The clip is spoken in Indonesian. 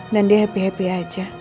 dan dia happy happy aja